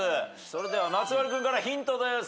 それでは松丸君からヒントです。